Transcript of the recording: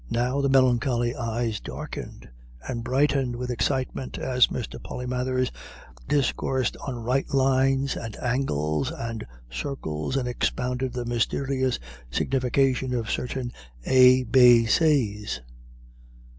Now the melancholy eyes darkened and brightened with excitement as Mr. Polymathers discoursed of right lines and angles and circles, and expounded the mysterious signification of certain Ah Bay Says.